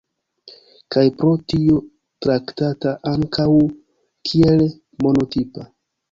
Kaj pro tio traktata ankaŭ kiel monotipa.